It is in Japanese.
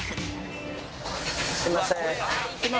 すいません！